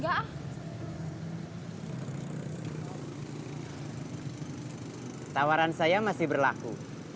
tertawaran saya masih berlaku